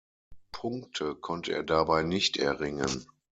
Punkte konnte er dabei nicht erringen.